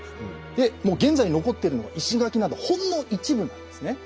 でもう現在残ってるのが石垣などほんの一部なんですね。